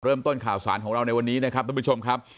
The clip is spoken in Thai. เริ่มต้นข่าวสารของเราในวันนี้นะครับทุกผู้ชมครับ